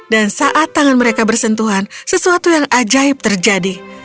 dan saat tangan mereka bersentuhan sesuatu yang ajaib terjadi